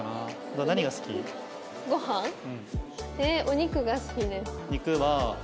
お肉が好きです。